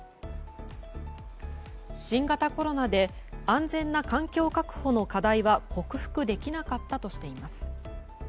新型コロナで安全な環境確保の課題は克服できなかったとしています。